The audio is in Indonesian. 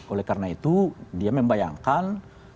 oleh karena itu dia membayangkan